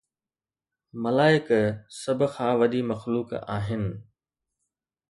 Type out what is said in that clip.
ملائڪ سڀ کان وڏي مخلوق آهن